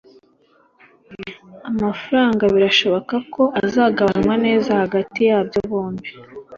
amafaranga birashoboka ko azagabanywa neza hagati yabyo bombi